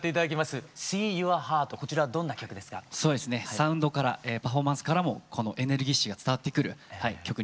サウンドからパフォーマンスからもこのエネルギッシュが伝わってくる曲になっております。